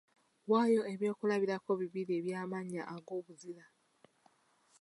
Waayo ebyokulabirako bibiri eby’amannya ag’obuzira.